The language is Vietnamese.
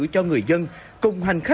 cho người dân